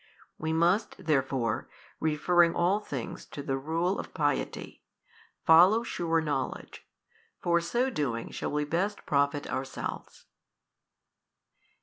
We must therefore referring all things to the Rule of piety, follow sure knowledge, for so doing shall we best profit ourselves.